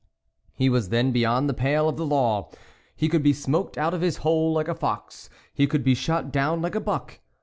He was then beyond the pale of the law ; he could be smoked out of his hole like a fox ; he could be shot down like a buck.